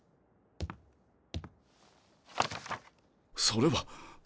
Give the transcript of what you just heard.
それは。